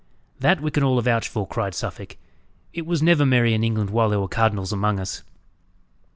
"That we can all avouch for," cried Suffolk. "It was never merry in England while there were cardinals among us."